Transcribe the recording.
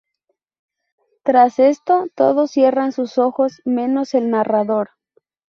Tras esto, todos cierran sus ojos menos el narrador.